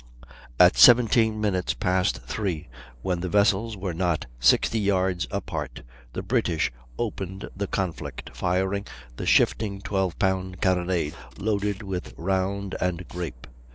At 17 minutes past three, when the vessels were not sixty yards apart, the British opened the conflict, firing the shifting 12 pound carronade, loaded with round and grape.